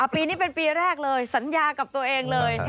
ปีนี้เป็นปีแรกเลยสัญญากับตัวเองเลย